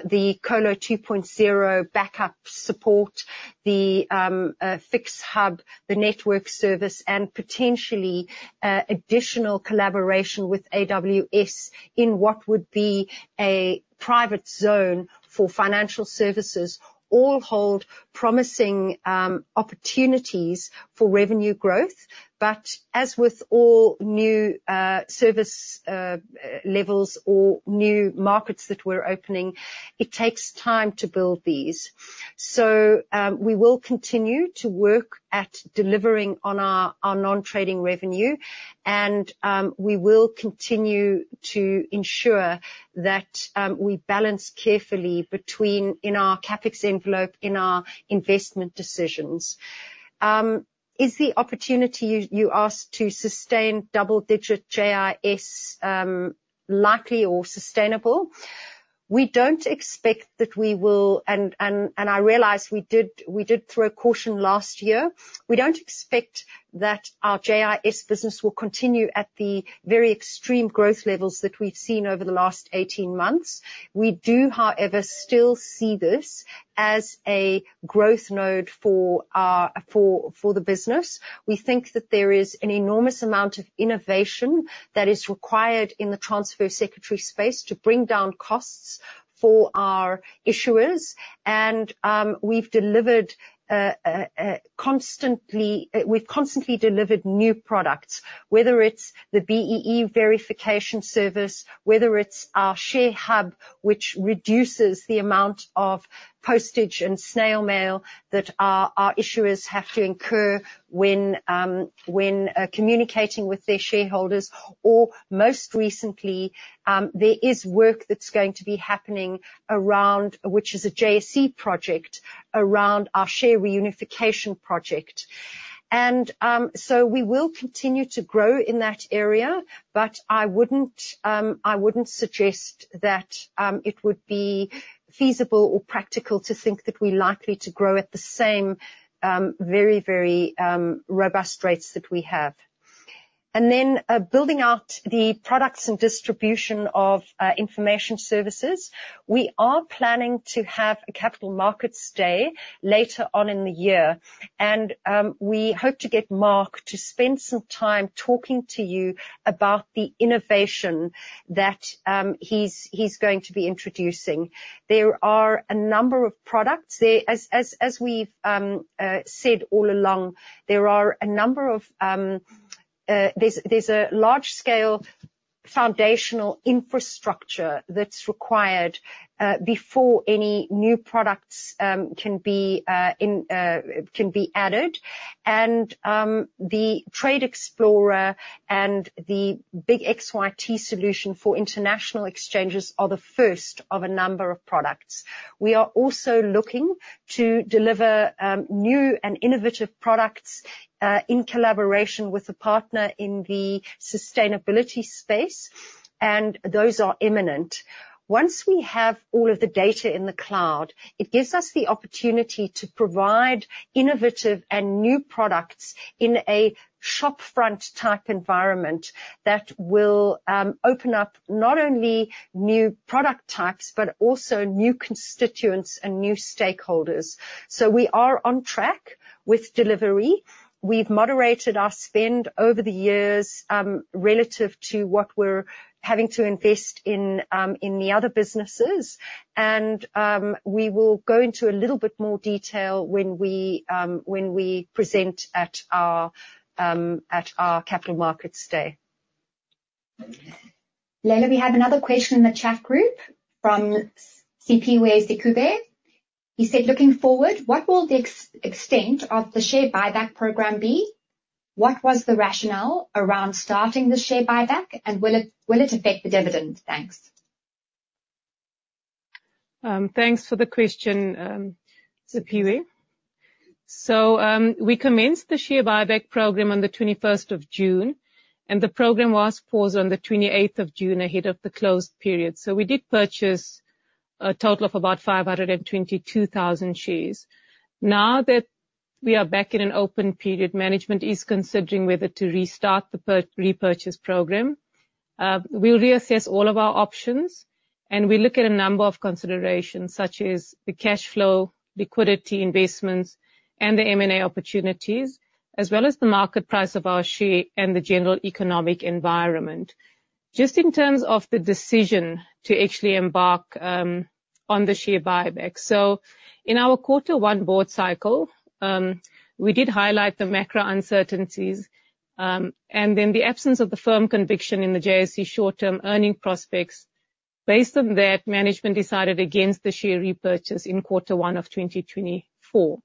the Colo 2.0 backup support, the FIX Hub, the network service, and potentially additional collaboration with AWS in what would be a private zone for financial services all hold promising opportunities for revenue growth. But as with all new service levels or new markets that we're opening, it takes time to build these. So we will continue to work at delivering on our non-trading revenue, and we will continue to ensure that we balance carefully between in our CapEx envelope, in our investment decisions. Is the opportunity you asked to sustain double-digit JIS likely or sustainable? We don't expect that we will, and I realize we did throw caution last year. We don't expect that our JIS business will continue at the very extreme growth levels that we've seen over the last 18 months. We do, however, still see this as a growth node for the business. We think that there is an enormous amount of innovation that is required in the transfer secretary space to bring down costs for our issuers. We've constantly delivered new products, whether it's the BEE verification service, whether it's our ShareHub, which reduces the amount of postage and snail mail that our issuers have to incur when communicating with their shareholders. Or most recently, there is work that's going to be happening around our share reunification project, which is a JSE project. And so we will continue to grow in that area, but I wouldn't suggest that it would be feasible or practical to think that we're likely to grow at the same very, very robust rates that we have. And then building out the products and distribution of Information Services, we are planning to have a capital markets day later on in the year. And we hope to get Mark to spend some time talking to you about the innovation that he's going to be introducing. There are a number of products. As we've said all along, there are a number of. There's a large-scale foundational infrastructure that's required before any new products can be added. And the Trade Explorer and the big xyt solution for international exchanges are the first of a number of products. We are also looking to deliver new and innovative products in collaboration with a partner in the sustainability space, and those are imminent. Once we have all of the data in the cloud, it gives us the opportunity to provide innovative and new products in a shopfront type environment that will open up not only new product types, but also new constituents and new stakeholders. So we are on track with delivery. We've moderated our spend over the years relative to what we're having to invest in the other businesses. And we will go into a little bit more detail when we present at our capital markets day. Leila, we have another question in the chat group from Siphiwe Chiya. He said, "Looking forward, what will the extent of the share buyback program be? What was the rationale around starting the share buyback, and will it affect the dividend?" Thanks. Thanks for the question, Siphiwe. So we commenced the share buyback program on the 21st of June, and the program was paused on the 28th of June ahead of the closed period. So we did purchase a total of about 522,000 shares. Now that we are back in an open period, management is considering whether to restart the repurchase program. We'll reassess all of our options, and we look at a number of considerations such as the cash flow, liquidity investments, and the M&A opportunities, as well as the market price of our share and the general economic environment. Just in terms of the decision to actually embark on the share buyback. So in our quarter one board cycle, we did highlight the macro uncertainties and then the absence of the firm conviction in the JSE short-term earning prospects. Based on that, management decided against the share repurchase in quarter one of 2024.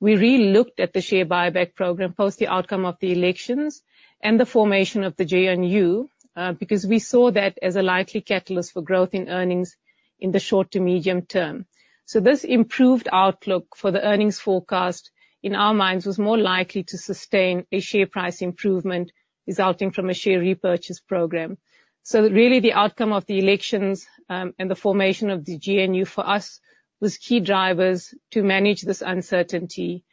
We re-looked at the share buyback program post the outcome of the elections and the formation of the GNU because we saw that as a likely catalyst for growth in earnings in the short to medium term. So this improved outlook for the earnings forecast in our minds was more likely to sustain a share price improvement resulting from a share repurchase program. So really, the outcome of the elections and the formation of the GNU for us was key drivers to manage this uncertainty.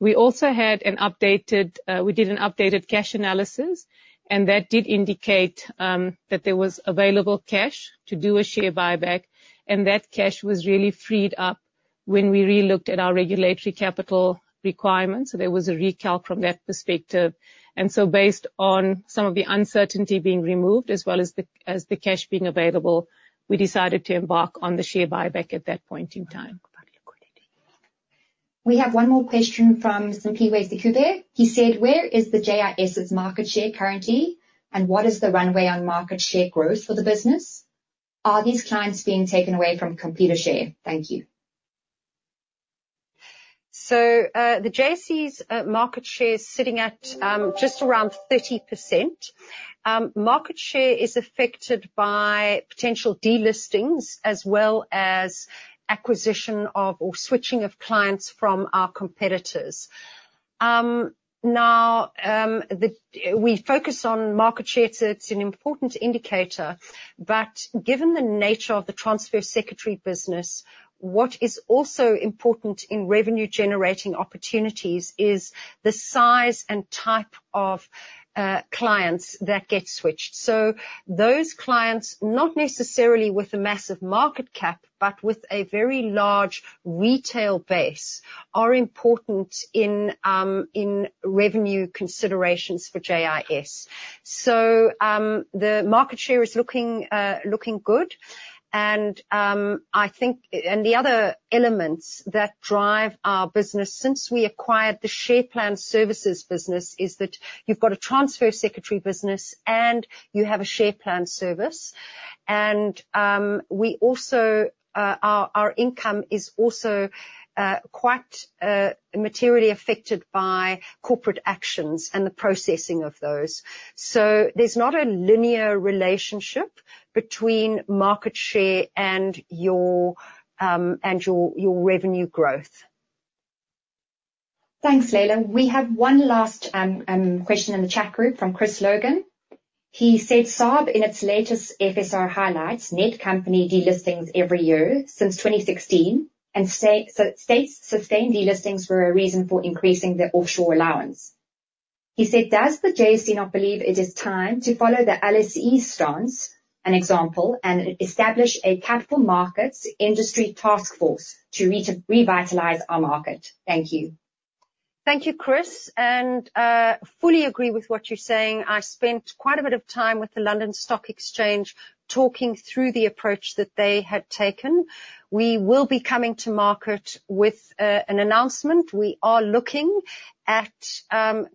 We also did an updated cash analysis, and that did indicate that there was available cash to do a share buyback. And that cash was really freed up when we re-looked at our regulatory capital requirements. So there was a recalc from that perspective. So based on some of the uncertainty being removed as well as the cash being available, we decided to embark on the share buyback at that point in time. We have one more question from Siphiwe Chiya. He said, "Where is the JIS's market share currently, and what is the runway on market share growth for the business? Are these clients being taken away from Computershare?" Thank you. The JSE's market share is sitting at just around 30%. Market share is affected by potential delistings as well as acquisition of or switching of clients from our competitors. Now, we focus on market share. It's an important indicator. But given the nature of the transfer secretary business, what is also important in revenue-generating opportunities is the size and type of clients that get switched. So those clients, not necessarily with a massive market cap, but with a very large retail base, are important in revenue considerations for JIS. So the market share is looking good. And I think the other elements that drive our business since we acquired the share plan services business is that you've got a transfer secretary business and you have a share plan service. And our income is also quite materially affected by corporate actions and the processing of those. So there's not a linear relationship between market share and your revenue growth. Thanks, Leila. We have one last question in the chat group from Chris Logan. He said, "SARB, in its latest FSR highlights, net company delistings every year since 2016, and states sustained delistings were a reason for increasing the offshore allowance." He said, "Does the JSE not believe it is time to follow the LSE stance, an example, and establish a capital markets industry task force to revitalize our market?" Thank you. Thank you, Chris. I fully agree with what you're saying. I spent quite a bit of time with the London Stock Exchange talking through the approach that they had taken. We will be coming to market with an announcement. We are looking at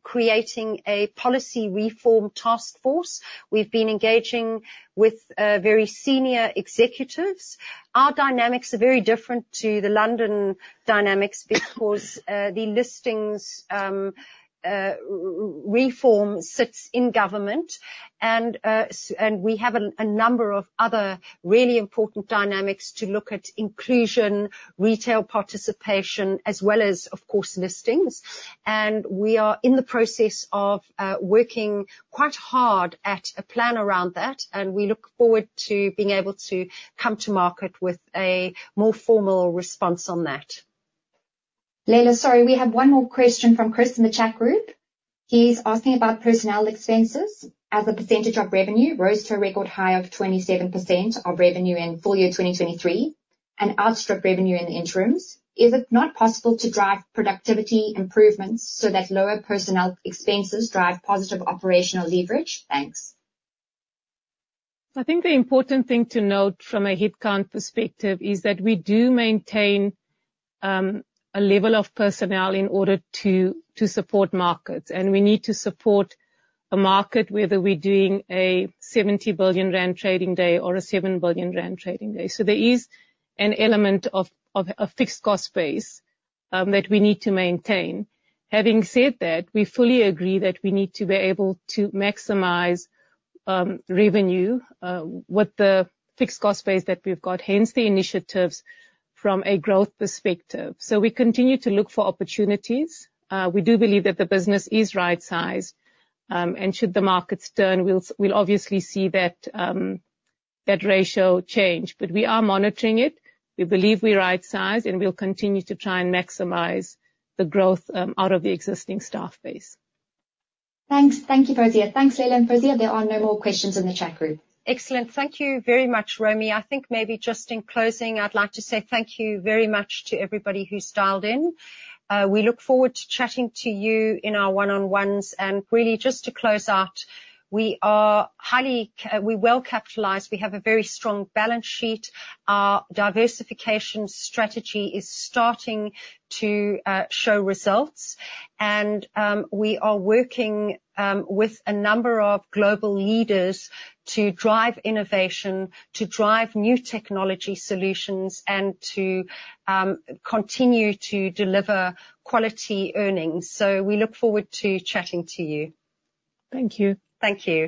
creating a policy reform task force. We've been engaging with very senior executives. Our dynamics are very different to the London dynamics because the listings reform sits in government, and we have a number of other really important dynamics to look at: inclusion, retail participation, as well as, of course, listings. And we are in the process of working quite hard at a plan around that, and we look forward to being able to come to market with a more formal response on that. Leila, sorry, we have one more question from Chris in the chat group. He's asking about personnel expenses as a percentage of revenue rose to a record high of 27% of revenue in full year 2023 and outstripped revenue in the interims. Is it not possible to drive productivity improvements so that lower personnel expenses drive positive operational leverage? Thanks. I think the important thing to note from a headcount perspective is that we do maintain a level of personnel in order to support markets, and we need to support a market whether we're doing a 70 billion rand trading day or a 7 billion rand trading day. So there is an element of a fixed cost base that we need to maintain. Having said that, we fully agree that we need to be able to maximize revenue with the fixed cost base that we've got, hence the initiatives from a growth perspective. So we continue to look for opportunities. We do believe that the business is right-sized, and should the markets turn, we'll obviously see that ratio change. But we are monitoring it. We believe we're right-sized, and we'll continue to try and maximize the growth out of the existing staff base. Thanks. Thank you, Fawzia. Thanks, Leila. Fawzia, there are no more questions in the chat group. Excellent. Thank you very much, Romy. I think maybe just in closing, I'd like to say thank you very much to everybody who's dialed in. We look forward to chatting to you in our one-on-ones. Really, just to close out, we are highly well-capitalized. We have a very strong balance sheet. Our diversification strategy is starting to show results, and we are working with a number of global leaders to drive innovation, to drive new technology solutions, and to continue to deliver quality earnings. So we look forward to chatting to you. Thank you. Thank you.